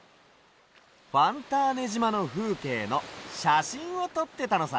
ファンターネじまのふうけいのしゃしんをとってたのさ。